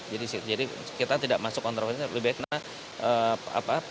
jadi kita tidak masuk kontroversi lebih baik